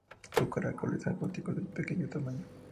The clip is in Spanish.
Son caracoles acuáticos de pequeño tamaño.